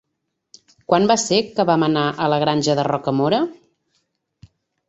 Quan va ser que vam anar a la Granja de Rocamora?